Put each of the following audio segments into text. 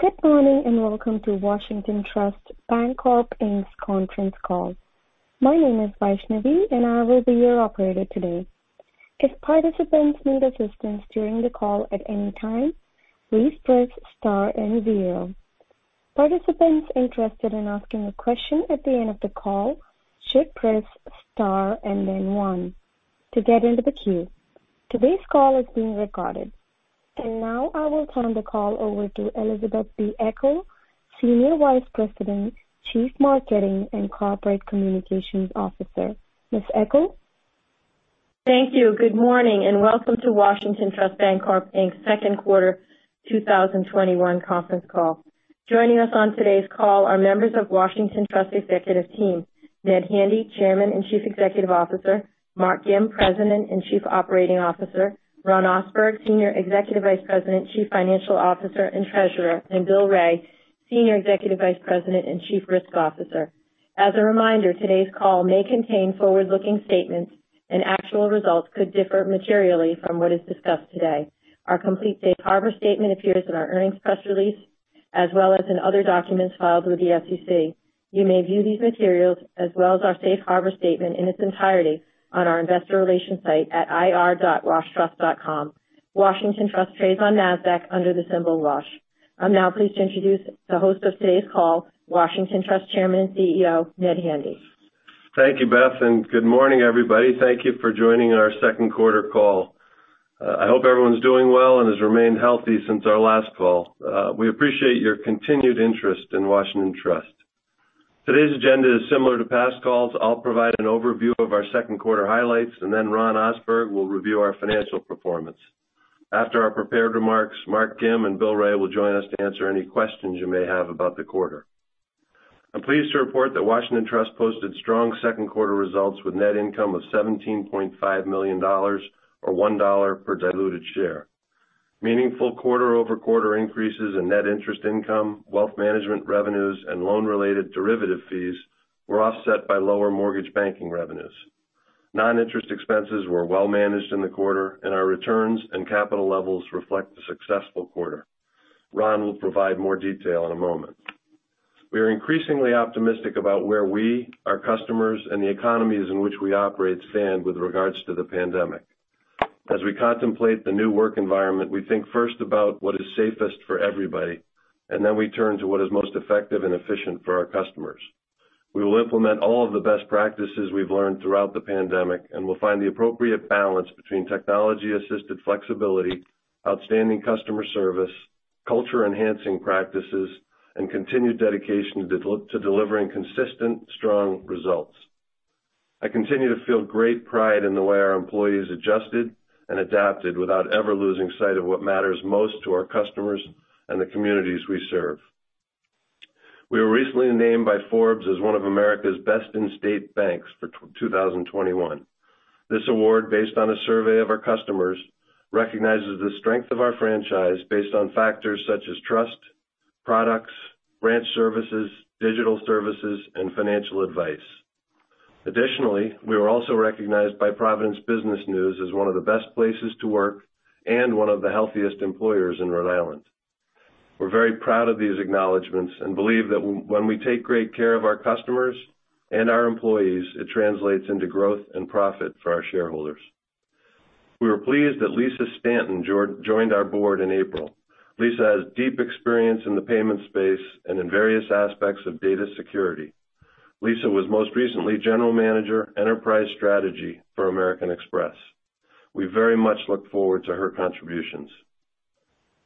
Good morning, and welcome to Washington Trust Bancorp, Inc.'s Conference Call. My name is Vaishnavi, and I will be your operator today. If participants need assistance during the call at any time, please press star and zero. Participants interested in asking a question at the end of the call should press star and then one to get into the queue. Today's call is being recorded. Now I will turn the call over to Elizabeth B. Eckel, Senior Vice President, Chief Marketing and Corporate Communications Officer. Ms. Eckel. Thank you. Good morning, and welcome to Washington Trust Bancorp, Inc.'s Second Quarter 2021 Conference Call. Joining us on today's call are members of Washington Trust executive team, Ned Handy, Chairman and Chief Executive Officer; Mark Gim, President and Chief Operating Officer; Ron Ohsberg, Senior Executive Vice President, Chief Financial Officer, and Treasurer; Bill Wray, Senior Executive Vice President and Chief Risk Officer. As a reminder, today's call may contain forward-looking statements and actual results could differ materially from what is discussed today. Our complete safe harbor statement appears in our earnings press release, as well as in other documents filed with the SEC. You may view these materials, as well as our safe harbor statement in its entirety on our investor relations site at ir.washtrust.com. Washington Trust trades on Nasdaq under the symbol WASH. I'm now pleased to introduce the host of today's call, Washington Trust Chairman and CEO, Ned Handy. Thank you, Beth. Good morning, everybody. Thank you for joining our second quarter call. I hope everyone's doing well and has remained healthy since our last call. We appreciate your continued interest in Washington Trust. Today's agenda is similar to past calls. I'll provide an overview of our second quarter highlights. Ron Ohsberg will review our financial performance. After our prepared remarks, Mark Gim and Bill Wray will join us to answer any questions you may have about the quarter. I'm pleased to report that Washington Trust posted strong second quarter results with net income of $17.5 million, or $1 per diluted share. Meaningful quarter-over-quarter increases in net interest income, wealth management revenues, and loan-related derivative fees were offset by lower mortgage banking revenues. Non-interest expenses were well managed in the quarter. Our returns and capital levels reflect the successful quarter. Ron will provide more detail in a moment. We are increasingly optimistic about where we, our customers, and the economies in which we operate stand with regards to the pandemic. As we contemplate the new work environment, we think first about what is safest for everybody, and then we turn to what is most effective and efficient for our customers. We will implement all of the best practices we've learned throughout the pandemic, and we'll find the appropriate balance between technology-assisted flexibility, outstanding customer service, culture-enhancing practices, and continued dedication to delivering consistent, strong results. I continue to feel great pride in the way our employees adjusted and adapted without ever losing sight of what matters most to our customers and the communities we serve. We were recently named by Forbes as one of America's Best-In-State Banks for 2021. This award, based on a survey of our customers, recognizes the strength of our franchise based on factors such as trust, products, branch services, digital services, and financial advice. Additionally, we were also recognized by Providence Business News as one of the best places to work and one of the healthiest employers in Rhode Island. We're very proud of these acknowledgments and believe that when we take great care of our customers and our employees, it translates into growth and profit for our shareholders. We were pleased that Lisa Stanton joined our board in April. Lisa has deep experience in the payment space and in various aspects of data security. Lisa was most recently General Manager, Enterprise Strategy for American Express. We very much look forward to her contributions.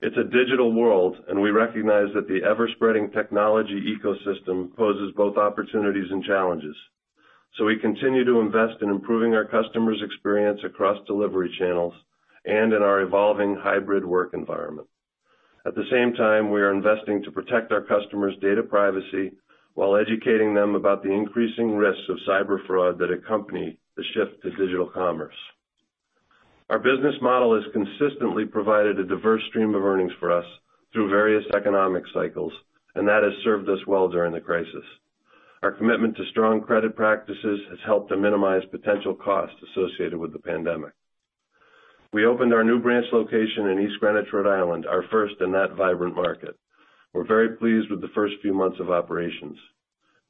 It's a digital world, and we recognize that the ever-spreading technology ecosystem poses both opportunities and challenges. We continue to invest in improving our customers' experience across delivery channels and in our evolving hybrid work environment. At the same time, we are investing to protect our customers' data privacy while educating them about the increasing risks of cyber fraud that accompany the shift to digital commerce. Our business model has consistently provided a diverse stream of earnings for us through various economic cycles, and that has served us well during the crisis. Our commitment to strong credit practices has helped to minimize potential costs associated with the pandemic. We opened our new branch location in East Greenwich, Rhode Island, our first in that vibrant market. We're very pleased with the first few months of operations.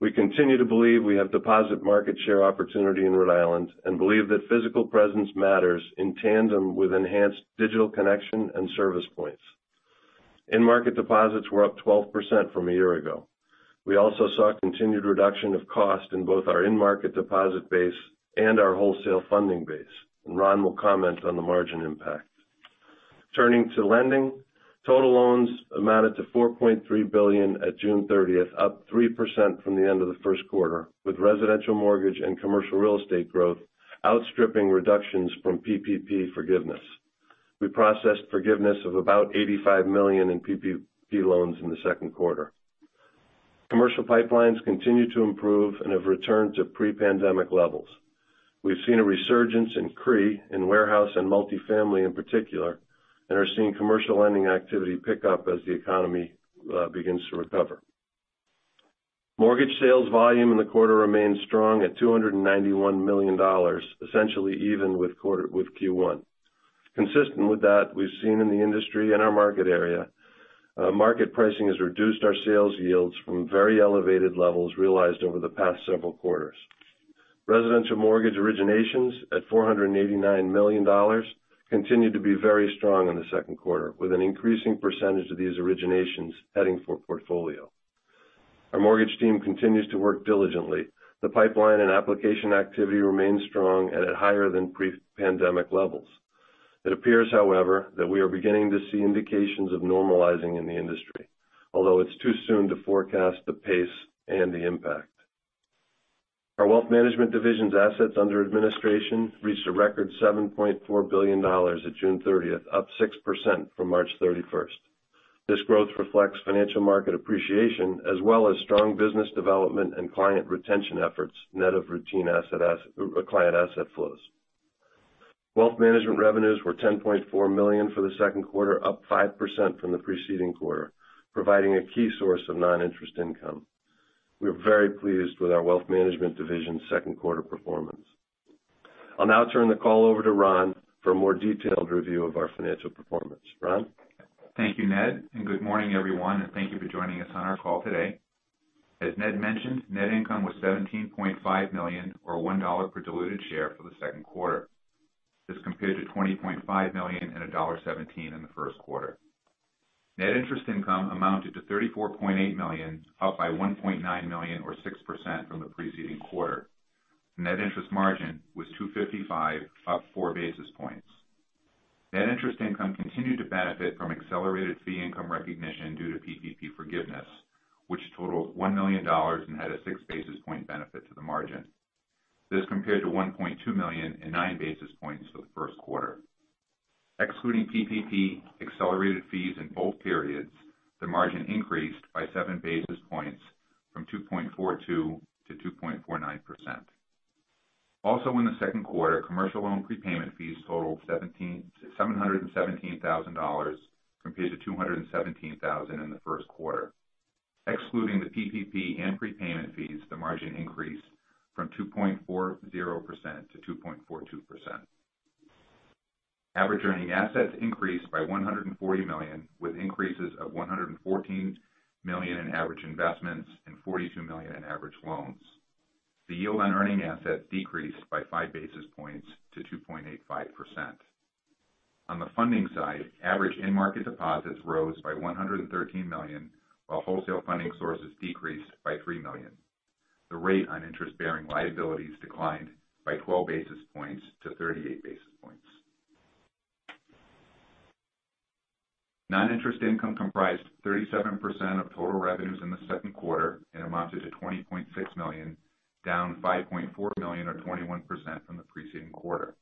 We continue to believe we have deposit market share opportunity in Rhode Island and believe that physical presence matters in tandem with enhanced digital connection and service points. In-market deposits were up 12% from a year ago. We also saw a continued reduction of cost in both our in-market deposit base and our wholesale funding base, and Ron will comment on the margin impact. Turning to lending, total loans amounted to $4.3 billion at June 30th, up 3% from the end of the first quarter, with residential mortgage and commercial real estate growth outstripping reductions from PPP forgiveness. We processed forgiveness of about $85 million in PPP loans in the second quarter. Commercial pipelines continue to improve and have returned to pre-pandemic levels. We've seen a resurgence in CRE, in warehouse and multifamily in particular, and are seeing commercial lending activity pick up as the economy begins to recover. Mortgage sales volume in the quarter remained strong at $291 million, essentially even with Q1. Consistent with that, we've seen in the industry and our market area, market pricing has reduced our sales yields from very elevated levels realized over the past several quarters. Residential mortgage originations at $489 million continued to be very strong in the second quarter, with an increasing percentage of these originations heading for portfolio. Our mortgage team continues to work diligently. The pipeline and application activity remains strong and at higher than pre-pandemic levels. It appears, however, that we are beginning to see indications of normalizing in the industry, although it's too soon to forecast the pace and the impact. Our wealth management division's assets under administration reached a record $7.4 billion at June 30th, up 6% from March 31st. This growth reflects financial market appreciation as well as strong business development and client retention efforts, net of routine client asset flows. Wealth management revenues were $10.4 million for the second quarter, up 5% from the preceding quarter, providing a key source of non-interest income. We are very pleased with our wealth management division's second quarter performance. I'll now turn the call over to Ron for a more detailed review of our financial performance. Ron? Thank you, Ned, good morning, everyone, and thank you for joining us on our call today. As Ned mentioned, net income was $17.5 million, or $1 per diluted share for the second quarter. This compared to $20.5 million and $1.17 in the first quarter. Net interest income amounted to $34.8 million, up by $1.9 million or 6% from the preceding quarter. Net interest margin was 255, up 4 basis points. Net interest income continued to benefit from accelerated fee income recognition due to PPP forgiveness, which totaled $1 million and had a 6 basis point benefit to the margin. This compared to $1.2 million and 9 basis points for the first quarter. Excluding PPP accelerated fees in both periods, the margin increased by 7 basis points from 2.42%-2.49%. Also in the second quarter, commercial loan prepayment fees totaled $717,000 compared to $217,000 in the first quarter. Excluding the PPP and prepayment fees, the margin increased from 2.40%-2.42%. Average earning assets increased by $140 million, with increases of $114 million in average investments and $42 million in average loans. The yield on earning assets decreased by 5 basis points to 2.85%. On the funding side, average in-market deposits rose by $113 million, while wholesale funding sources decreased by $3 million. The rate on interest-bearing liabilities declined by 12 basis points-38 basis points. Non-interest income comprised 37% of total revenues in the second quarter and amounted to $20.6 million, down $5.4 million or 21% from the preceding quarter.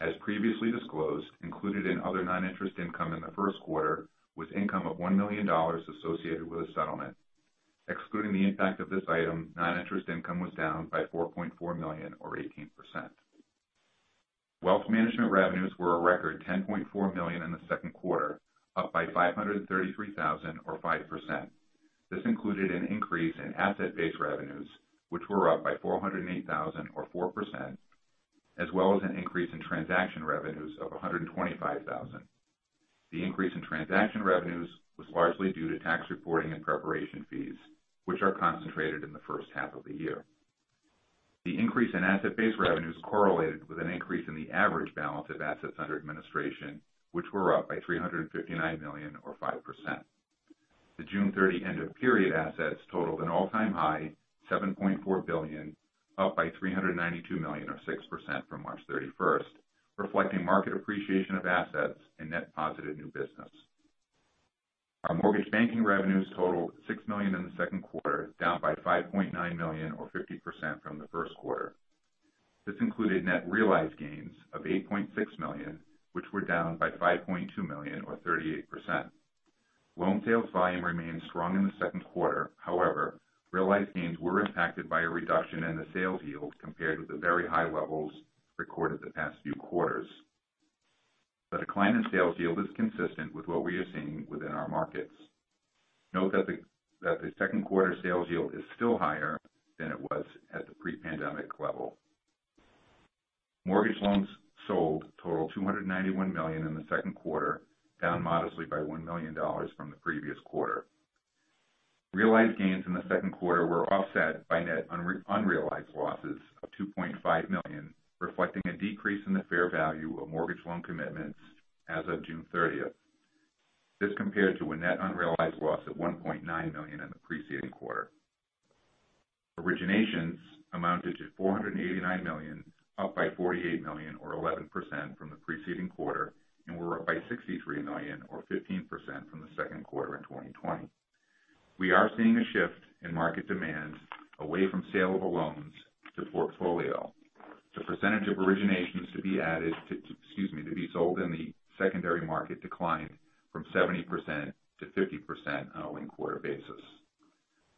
As previously disclosed, included in other non-interest income in the first quarter was income of $1 million associated with a settlement. Excluding the impact of this item, non-interest income was down by $4.4 million or 18%. Wealth management revenues were a record $10.4 million in the second quarter, up by $533,000 or 5%. This included an increase in asset-based revenues, which were up by $408,000 or 4%, as well as an increase in transaction revenues of $125,000. The increase in transaction revenues was largely due to tax reporting and preparation fees, which are concentrated in the first half of the year. The increase in asset-based revenues correlated with an increase in the average balance of assets under administration, which were up by $359 million or 5%. The June 30 end of period assets totaled an all-time high $7.4 billion, up by $392 million or 6% from March 31st, reflecting market appreciation of assets and net positive new business. Our mortgage banking revenues totaled $6 million in the second quarter, down by $5.9 million or 50% from the first quarter. This included net realized gains of $8.6 million, which were down by $5.2 million or 38%. Loan sales volume remained strong in the second quarter. Realized gains were impacted by a reduction in the sales yield compared with the very high levels recorded the past few quarters. The decline in sales yield is consistent with what we are seeing within our markets. Note that the second quarter sales yield is still higher than it was at the pre-pandemic level. Mortgage loans sold totaled $291 million in the second quarter, down modestly by $1 million from the previous quarter. Realized gains in the second quarter were offset by net unrealized losses of $2.5 million, reflecting a decrease in the fair value of mortgage loan commitments as of June 30th. This compared to a net unrealized loss of $1.9 million in the preceding quarter. Originations amounted to $489 million, up by $48 million or 11% from the preceding quarter, and were up by $63 million or 15% from the second quarter in 2020. We are seeing a shift in market demand away from saleable loans to portfolio. The percentage of originations to be sold in the secondary market declined from 70%-50% on a linked quarter basis.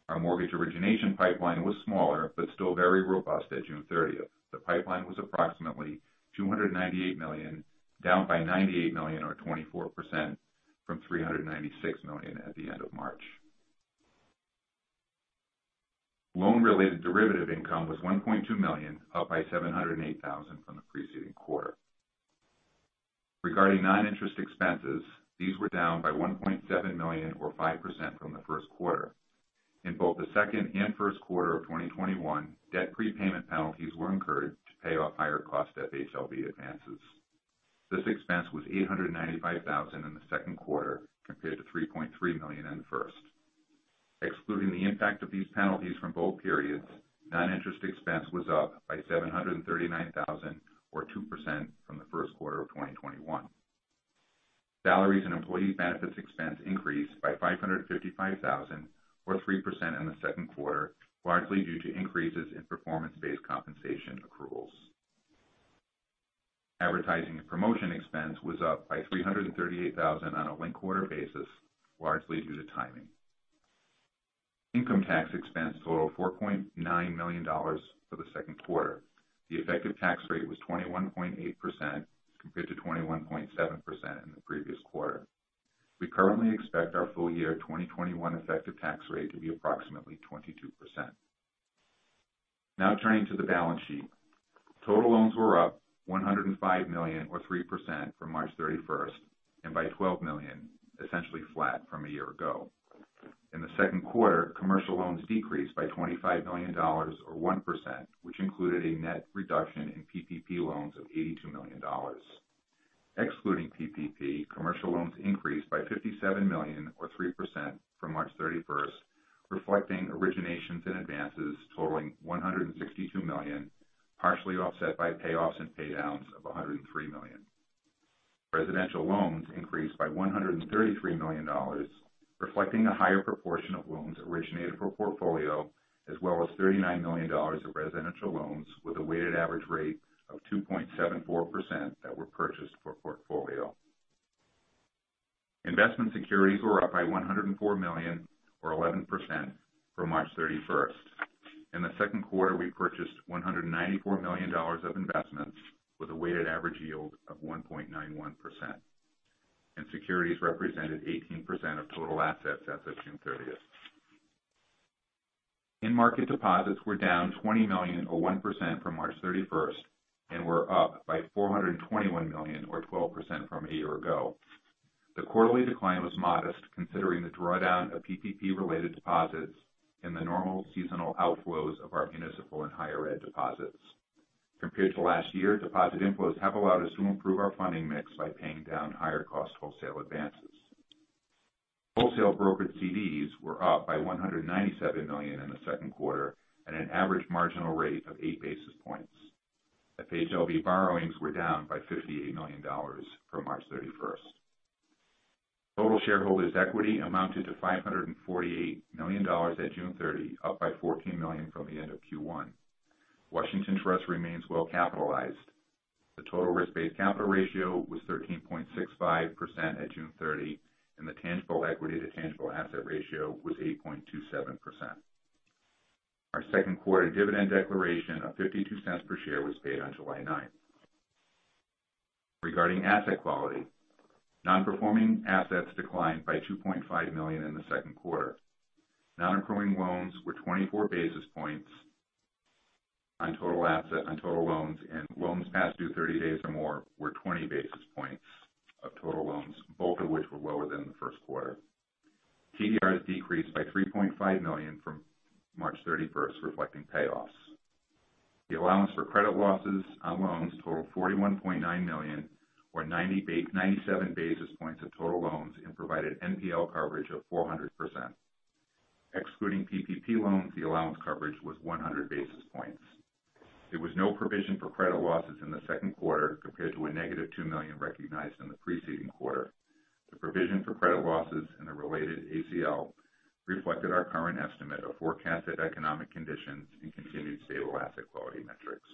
Our mortgage origination pipeline was smaller, but still very robust at June 30th. The pipeline was approximately $298 million, down by $98 million or 24%. From $396 million at the end of March. Loan-related derivative income was $1.2 million, up by $708,000 from the preceding quarter. Regarding non-interest expenses, these were down by $1.7 million or 5% from the first quarter. In both the second and first quarter of 2021, debt prepayment penalties were incurred to pay off higher cost FHLB advances. This expense was $895,000 in the second quarter, compared to $3.3 million in the first. Excluding the impact of these penalties from both periods, non-interest expense was up by $739,000 or 2% from the first quarter of 2021. Salaries and employee benefits expense increased by $555,000 or 3% in the second quarter, largely due to increases in performance-based compensation accruals. Advertising and promotion expense was up by $338,000 on a linked quarter basis, largely due to timing. Income tax expense totaled $4.9 million for the second quarter. The effective tax rate was 21.8% compared to 21.7% in the previous quarter. We currently expect our full year 2021 effective tax rate to be approximately 22%. Now turning to the balance sheet. Total loans were up $105 million or 3% from March 31st, and by $12 million, essentially flat from a year ago. In the second quarter, commercial loans decreased by $25 million or 1%, which included a net reduction in PPP loans of $82 million. Excluding PPP, commercial loans increased by $57 million or 3% from March 31st, reflecting originations and advances totaling $162 million, partially offset by payoffs and pay downs of $103 million. Residential loans increased by $133 million, reflecting a higher proportion of loans originated for portfolio, as well as $39 million of residential loans with a weighted average rate of 2.74% that were purchased for portfolio. Investment securities were up by $104 million or 11% from March 31st. In the second quarter, we purchased $194 million of investments with a weighted average yield of 1.91%. Securities represented 18% of total assets as of June 30th. In-market deposits were down $20 million or 1% from March 31st, and were up by $421 million or 12% from a year ago. The quarterly decline was modest considering the drawdown of PPP related deposits and the normal seasonal outflows of our municipal and higher ed deposits. Compared to last year, deposit inflows have allowed us to improve our funding mix by paying down higher cost wholesale advances. Wholesale brokered CDs were up by $197 million in the second quarter at an average marginal rate of 8 basis points. FHLB borrowings were down by $58 million from March 31st. Total shareholders' equity amounted to $548 million at June 30, up by $14 million from the end of Q1. Washington Trust remains well capitalized. The total risk-based capital ratio was 13.65% at June 30, and the tangible equity to tangible asset ratio was 8.27%. Our second quarter dividend declaration of $0.52 per share was paid on July 9th. Regarding asset quality, non-performing assets declined by $2.5 million in the second quarter. Non-accruing loans were 24 basis points on total loans, and loans past due 30 days or more were 20 basis points of total loans, both of which were lower than the first quarter. TDRs decreased by $3.5 million from March 31st, reflecting payoffs. The allowance for credit losses on loans totaled $41.9 million or 97 basis points of total loans and provided NPL coverage of 400%. Excluding PPP loans, the allowance coverage was 100 basis points. There was no provision for credit losses in the second quarter compared to a -$2 million recognized in the preceding quarter. The provision for credit losses and the related ACL reflected our current estimate of forecasted economic conditions and continued stable asset quality metrics.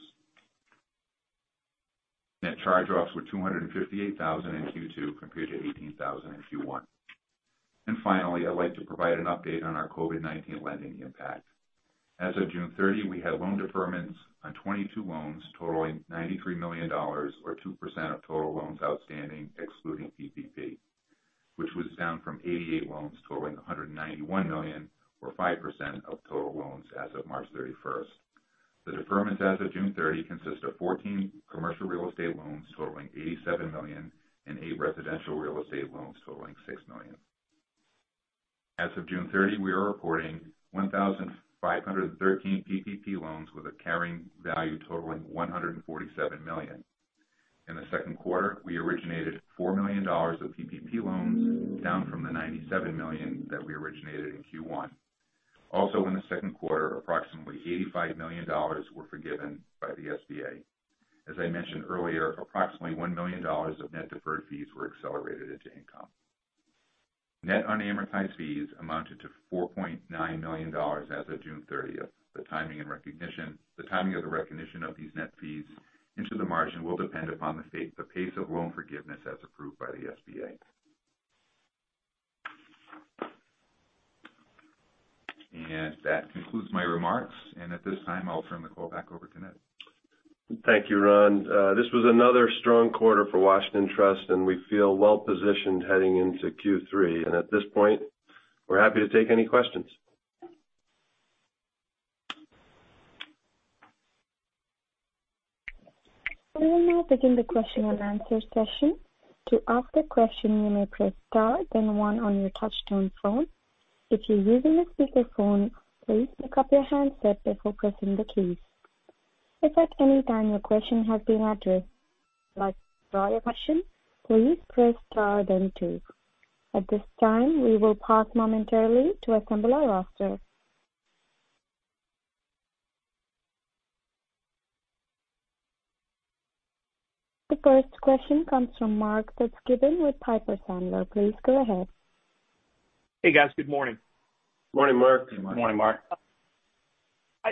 Net charge-offs were $258,000 in Q2 compared to $18,000 in Q1. Finally, I'd like to provide an update on our COVID-19 lending impact. As of June 30, we had loan deferments on 22 loans totaling $93 million or 2% of total loans outstanding excluding PPP, which was down from 88 loans totaling $191 million or 5% of total loans as of March 31st. The deferments as of June 30 consist of 14 commercial real estate loans totaling $87 million and eight residential real estate loans totaling $6 million. As of June 30, we are reporting 1,513 PPP loans with a carrying value totaling $147 million. In the second quarter, we originated $4 million of PPP loans down from the $97 million that we originated in Q1. Also, in the second quarter, approximately $85 million were forgiven by the SBA. As I mentioned earlier, approximately $1 million of net deferred fees were accelerated into income. Net unamortized fees amounted to $4.9 million as of June 30th. The timing of the recognition of these net fees into the margin will depend upon the pace of loan forgiveness as approved by the SBA. That concludes my remarks. At this time, I'll turn the call back over to Ned. Thank you, Ron. This was another strong quarter for Washington Trust, and we feel well-positioned heading into Q3. At this point, we're happy to take any questions. We will now begin the question and answer session. To ask a question, you may press star, then one on your touchtone phone. If you're using a speakerphone, please pick up your handset before pressing the keys. If at any time your question has been addressed, like another question, please press star then two. At this time, we will pause momentarily to assemble our roster. The first question comes from Mark Fitzgibbon with Piper Sandler. Please go ahead. Hey, guys. Good morning. Morning, Mark. Morning, Mark. I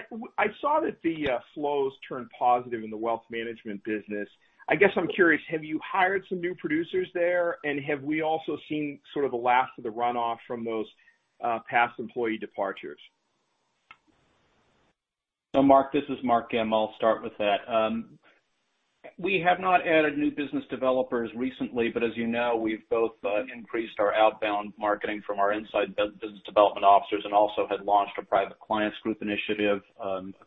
saw that the flows turned positive in the wealth management business. I guess I'm curious, have you hired some new producers there? Have we also seen sort of the last of the runoff from those past employee departures? Mark, this is Mark Gim. I'll start with that. We have not added new business developers recently, but as you know, we've both increased our outbound marketing from our inside business development officers and also had launched a Private Clients Group initiative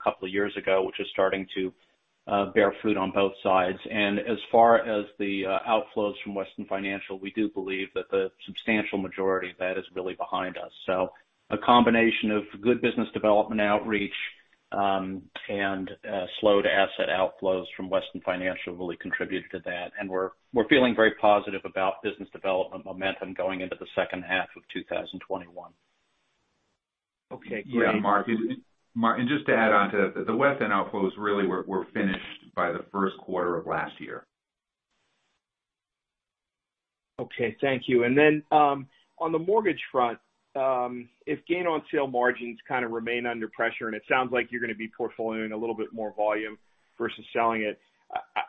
couple years ago, which is starting to bear fruit on both sides. As far as the outflows from Weston Financial, we do believe that the substantial majority of that is really behind us. A combination of good business development outreach and slowed asset outflows from Weston Financial really contributed to that. We're feeling very positive about business development momentum going into the second half of 2021. Okay, great. Yeah. Mark, just to add on to the Weston outflows really were finished by the first quarter of last year. Okay. Thank you. On the mortgage front, if gain on sale margins kind of remain under pressure, and it sounds like you're going to be portfolioing a little bit more volume versus selling it.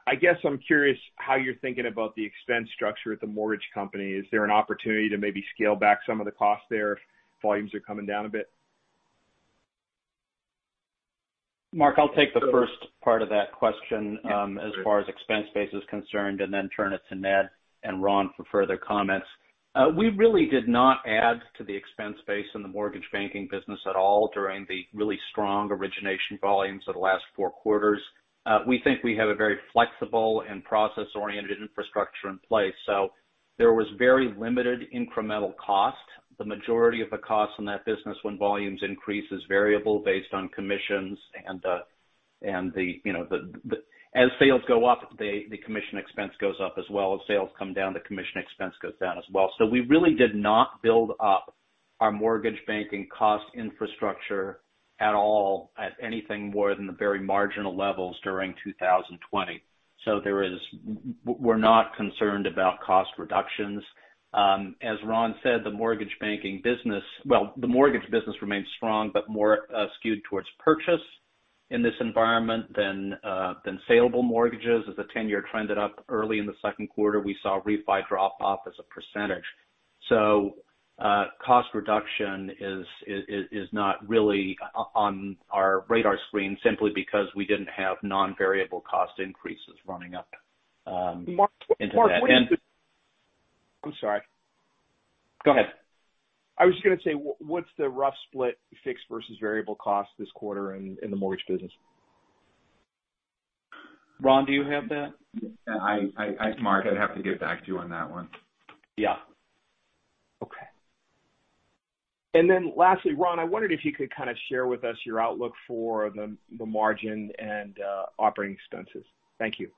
I guess I'm curious how you're thinking about the expense structure at the mortgage company. Is there an opportunity to maybe scale back some of the costs there if volumes are coming down a bit? Mark, I'll take the first part of that question as far as expense base is concerned, and then turn it to Ned and Ron for further comments. We really did not add to the expense base in the mortgage banking business at all during the really strong origination volumes of the last four quarters. We think we have a very flexible and process-oriented infrastructure in place. There was very limited incremental cost. The majority of the cost in that business when volumes increase is variable based on commissions and as sales go up, the commission expense goes up as well. If sales come down, the commission expense goes down as well. We really did not build up our mortgage banking cost infrastructure at all at anything more than the very marginal levels during 2020. We're not concerned about cost reductions. As Ron said, the mortgage business remains strong, but more skewed towards purchase in this environment than saleable mortgages. As the 10-year trended up early in the second quarter, we saw refi drop off as a percentage. Cost reduction is not really on our radar screen simply because we didn't have non-variable cost increases running up into that. Mark. I'm sorry. Go ahead. I was just going to say, what's the rough split fixed versus variable cost this quarter in the mortgage business? Ron, do you have that? Mark, I'd have to get back to you on that one. Yeah. Okay. Lastly, Ron, I wondered if you could kind of share with us your outlook for the margin and operating expenses. Thank you.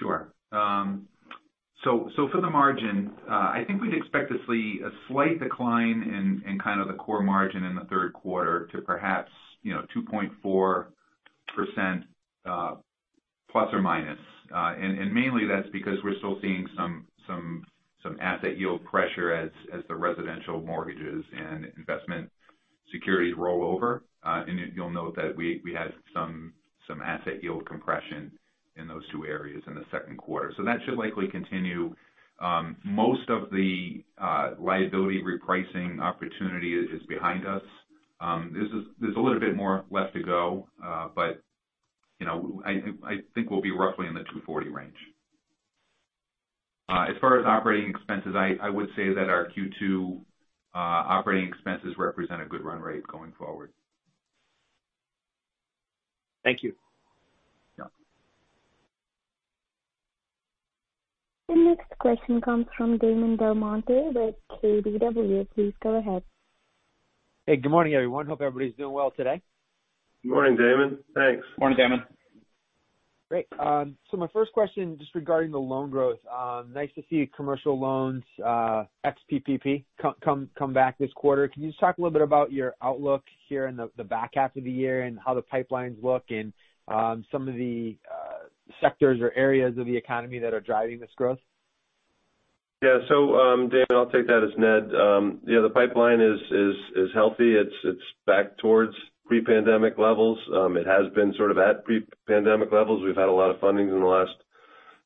Sure. For the margin, I think we'd expect to see a slight decline in kind of the core margin in the third quarter to perhaps 2.4% ±. Mainly that's because we're still seeing some asset yield pressure as the residential mortgages and investment securities roll over. You'll note that we had some asset yield compression in those two areas in the second quarter. That should likely continue. Most of the liability repricing opportunity is behind us. There's a little bit more left to go. I think we'll be roughly in the 240 range. As far as operating expenses, I would say that our Q2 operating expenses represent a good run rate going forward. Thank you. Yeah. The next question comes from Damon DelMonte with KBW. Please go ahead. Hey, good morning, everyone. Hope everybody's doing well today. Morning, Damon. Thanks. Morning, Damon. Great. My first question is just regarding the loan growth. Nice to see commercial loans ex-PPP come back this quarter. Can you just talk a little bit about your outlook here in the back half of the year and how the pipelines look in some of the sectors or areas of the economy that are driving this growth? Yeah. Damon, I'll take that as Ned. The pipeline is healthy. It's back towards pre-pandemic levels. It has been sort of at pre-pandemic levels. We've had a lot of fundings in the last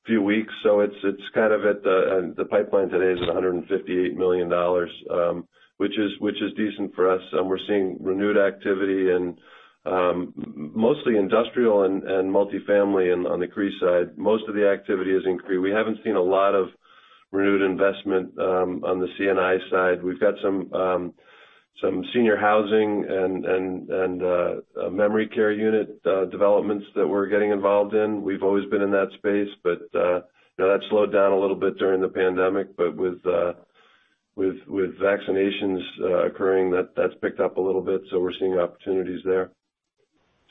few weeks. The pipeline today is at $158 million, which is decent for us. We're seeing renewed activity in mostly industrial and multifamily on the CRE side. Most of the activity is in CRE. We haven't seen a lot of renewed investment on the C&I side. We've got some senior housing and a memory care unit developments that we're getting involved in. We've always been in that space, but that slowed down a little bit during the pandemic. With vaccinations occurring, that's picked up a little bit. We're seeing opportunities there.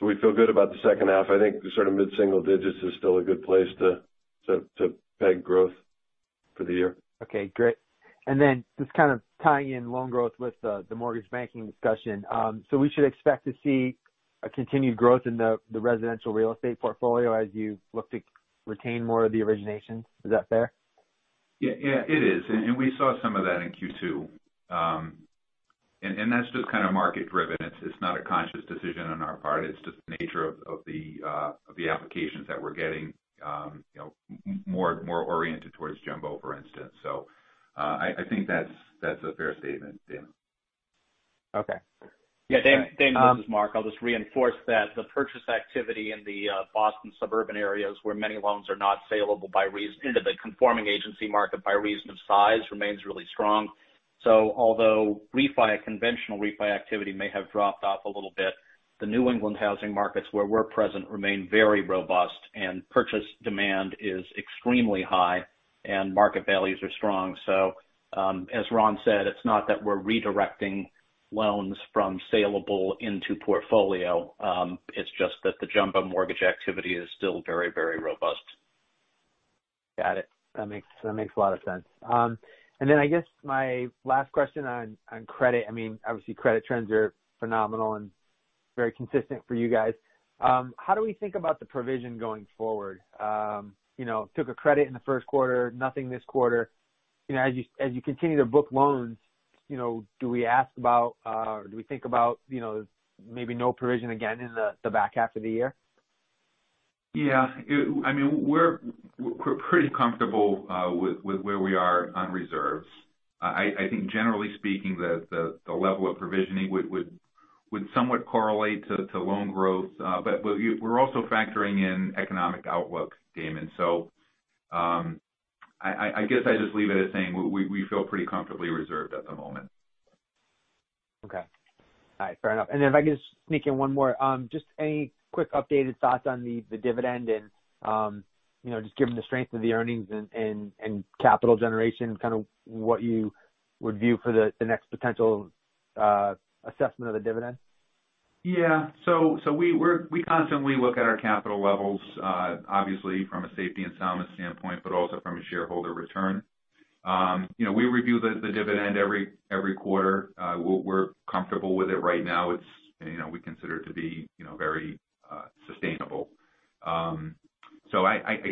We feel good about the second half. I think the mid-single digits is still a good place to peg growth for the year. Okay, great. Just kind of tying in loan growth with the mortgage banking discussion. We should expect to see a continued growth in the residential real estate portfolio as you look to retain more of the originations. Is that fair? Yeah, it is. We saw some of that in Q2. That's just kind of market driven. It's not a conscious decision on our part. It's just the nature of the applications that we're getting more oriented towards jumbo, for instance. I think that's a fair statement, Damon. Okay. Damon, this is Mark. I'll just reinforce that the purchase activity in the Boston suburban areas, where many loans are not saleable into the conforming agency market by reason of size, remains really strong. Although conventional refi activity may have dropped off a little bit, the New England housing markets where we're present remain very robust and purchase demand is extremely high and market values are strong. As Ron said, it's not that we're redirecting loans from saleable into portfolio. It's just that the jumbo mortgage activity is still very robust. Got it. That makes a lot of sense. I guess my last question on credit, obviously credit trends are phenomenal and very consistent for you guys. How do we think about the provision going forward? Took a credit in the first quarter, nothing this quarter. As you continue to book loans, do we think about maybe no provision again in the back half of the year? Yeah. We're pretty comfortable with where we are on reserves. I think generally speaking, the level of provisioning would somewhat correlate to loan growth. We're also factoring in economic outlook, Damon. I guess I just leave it at saying we feel pretty comfortably reserved at the moment. Okay. All right. Fair enough. If I could just sneak in one more. Just any quick updated thoughts on the dividend and just given the strength of the earnings and capital generation, kind of what you would view for the next potential assessment of the dividend? We constantly look at our capital levels, obviously from a safety and soundness standpoint, but also from a shareholder return. We review the dividend every quarter. We're comfortable with it right now. We consider it to be very sustainable. I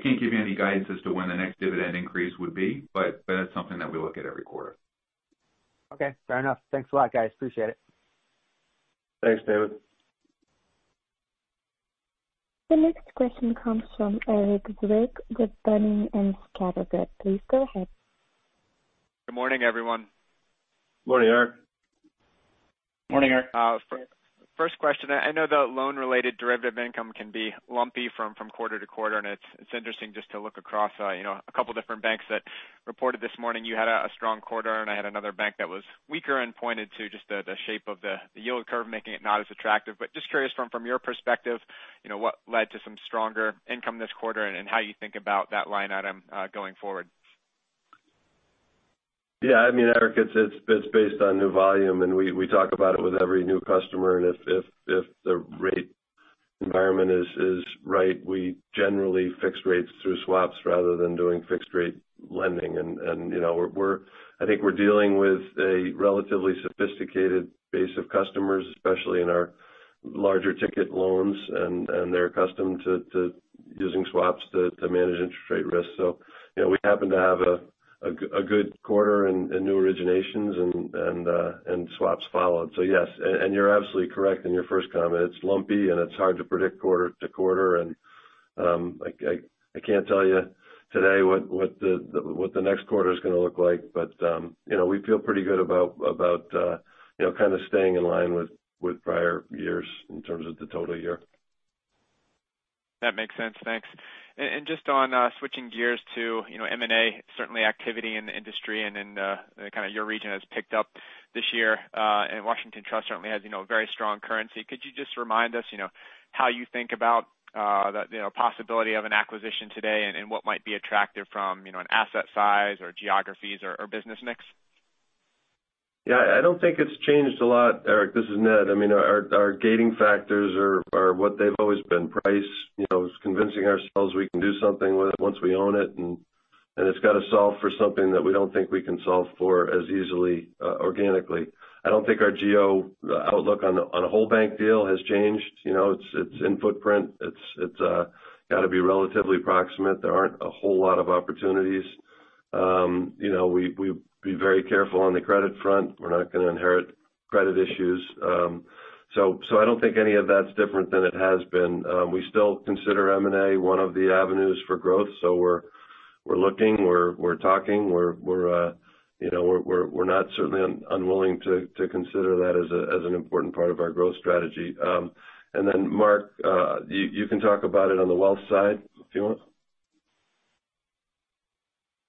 can't give you any guidance as to when the next dividend increase would be, but that's something that we look at every quarter. Okay. Fair enough. Thanks a lot, guys. Appreciate it. Thanks, Damon. The next question comes from Erik Zwick with Boenning & Scattergood. Please go ahead. Good morning, everyone. Morning, Erik. Morning, Erik. First question. I know the loan-related derivative income can be lumpy from quarter-to-quarter, and it's interesting just to look across a couple different banks that reported this morning. You had a strong quarter, and I had another bank that was weaker and pointed to just the shape of the yield curve making it not as attractive. Just curious from your perspective, what led to some stronger income this quarter and how you think about that line item going forward? Yeah. Erik, it's based on new volume, we talk about it with every new customer. If the rate environment is right, we generally fix rates through swaps rather than doing fixed rate lending. I think we're dealing with a relatively sophisticated base of customers, especially in our larger ticket loans, and they're accustomed to using swaps to manage interest rate risk. We happen to have a good quarter in new originations and swaps followed. Yes. You're absolutely correct in your first comment. It's lumpy and it's hard to predict quarter-to-quarter. I can't tell you today what the next quarter is going to look like. We feel pretty good about staying in line with prior years in terms of the total year. That makes sense. Thanks. Just on switching gears to M&A, certainly activity in the industry and in your region has picked up this year. Washington Trust certainly has a very strong currency. Could you just remind us how you think about the possibility of an acquisition today and what might be attractive from an asset size or geographies or business mix? I don't think it's changed a lot, Erik. This is Ned. Our gating factors are what they've always been. Price, it's convincing ourselves we can do something with it once we own it, and it's got to solve for something that we don't think we can solve for as easily organically. I don't think our geo outlook on a whole bank deal has changed. It's in footprint. It's got to be relatively proximate. There aren't a whole lot of opportunities. We'd be very careful on the credit front. We're not going to inherit credit issues. I don't think any of that's different than it has been. We still consider M&A one of the avenues for growth. We're looking, we're talking. We're not certainly unwilling to consider that as an important part of our growth strategy. Mark, you can talk about it on the wealth side if you want.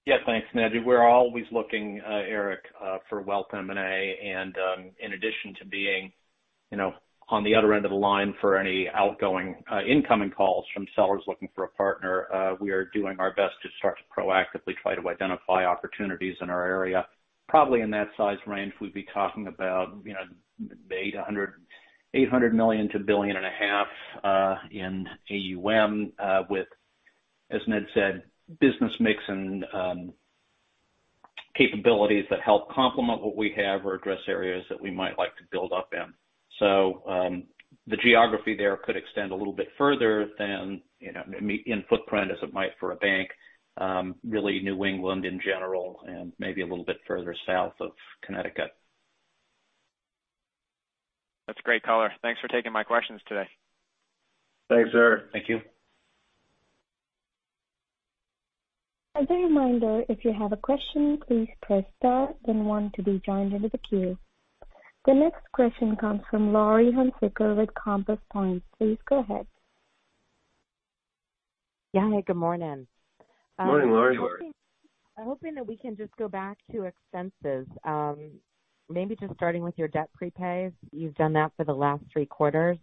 Yes, thanks, Ned. We're always looking, Erik Zwick, for wealth M&A. In addition to being on the other end of the line for any incoming calls from sellers looking for a partner, we are doing our best to start to proactively try to identify opportunities in our area. Probably in that size range, we'd be talking about $800 million-$1.5 billion in AUM, with, as Ned said, business mix and capabilities that help complement what we have or address areas that we might like to build up in. The geography there could extend a little bit further than in footprint as it might for a bank. Really New England in general and maybe a little bit further south of Connecticut. That's a great color. Thanks for taking my questions today. Thanks, Erik. Thank you. As a reminder, if you have a question, please press star then one to be joined into the queue. The next question comes from Laurie Hunsicker with Compass Point. Please go ahead. Yeah. Good morning. Morning, Laurie. I'm hoping that we can just go back to expenses. Maybe just starting with your debt prepays. You've done that for the last three quarters.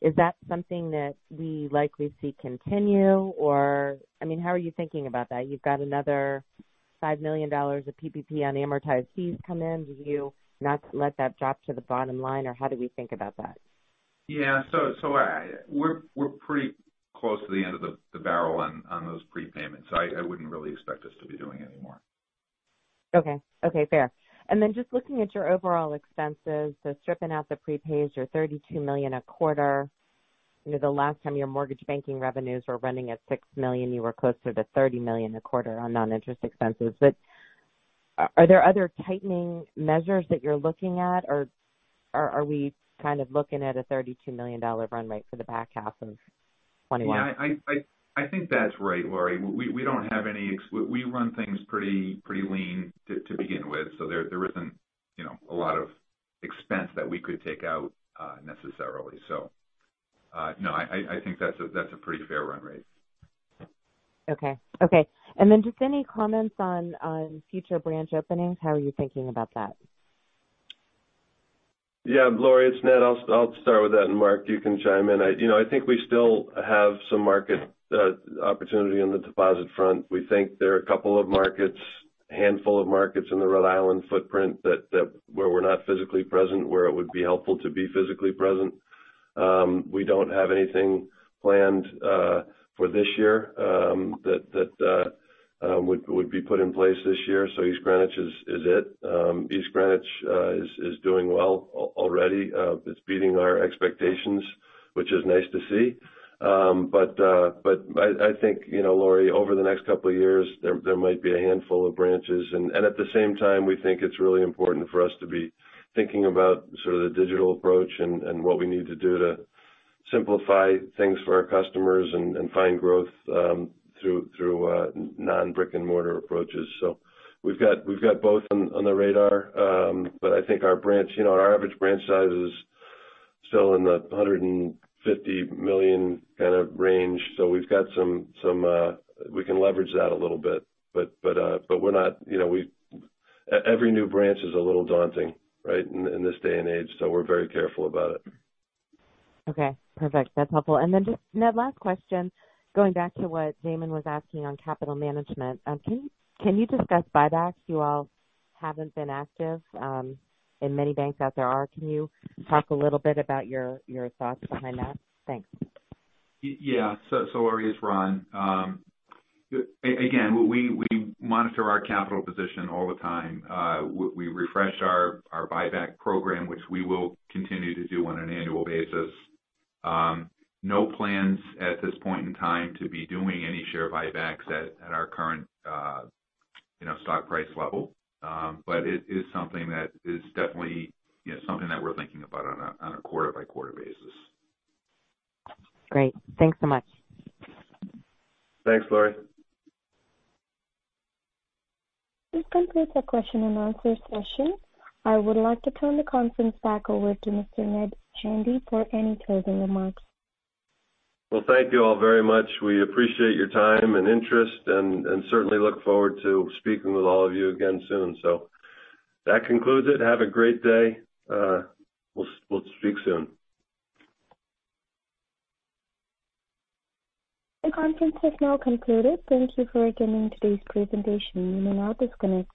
Is that something that we likely see continue? How are you thinking about that? You've got another $5 million of PPP unamortized fees come in. Do you not let that drop to the bottom line, or how do we think about that? We're pretty close to the end of the barrel on those prepayments. I wouldn't really expect us to be doing any more. Okay. Fair. Just looking at your overall expenses, so stripping out the prepays, you're $32 million a quarter. The last time your mortgage banking revenues were running at $6 million, you were closer to $30 million a quarter on non-interest expenses. Are there other tightening measures that you're looking at, or are we kind of looking at a $32 million run rate for the back half of 2021? Yeah, I think that's right, Laurie. We run things pretty lean to begin with. There isn't a lot of expense that we could take out necessarily. No, I think that's a pretty fair run rate. Okay. Just any comments on future branch openings. How are you thinking about that? Yeah. Laurie, it's Ned. I'll start with that and Mark, you can chime in. I think we still have some market opportunity on the deposit front. We think there are a couple of markets, handful of markets in the Rhode Island footprint where we're not physically present, where it would be helpful to be physically present. We don't have anything planned for this year that would be put in place this year. East Greenwich is it. East Greenwich is doing well already. It's beating our expectations, which is nice to see. I think, Laurie, over the next couple of years, there might be a handful of branches. At the same time, we think it's really important for us to be thinking about sort of the digital approach and what we need to do to simplify things for our customers and find growth through non-brick and mortar approaches. We've got both on the radar. I think our average branch size is still in the $150 million kind of range. We can leverage that a little bit. Every new branch is a little daunting, right, in this day and age, so we're very careful about it. Okay, perfect. That's helpful. Then just, Ned, last question, going back to what Damon was asking on capital management. Can you discuss buybacks? You all haven't been active and many banks out there are. Can you talk a little bit about your thoughts behind that? Thanks. Laurie, it's Ron. We monitor our capital position all the time. We refresh our buyback program, which we will continue to do on an annual basis. No plans at this point in time to be doing any share buybacks at our current stock price level. It is something that is definitely something that we're thinking about on a quarter-by-quarter basis. Great. Thanks so much. Thanks, Laurie. This completes our question-and-answer session. I would like to turn the conference back over to Mr. Ned Handy for any closing remarks. Well, thank you all very much. We appreciate your time and interest and certainly look forward to speaking with all of you again soon. That concludes it. Have a great day. We'll speak soon. The conference has now concluded. Thank you for attending today's presentation. You may now disconnect.